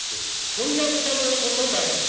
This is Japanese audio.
「こんにゃく玉のことだよ」。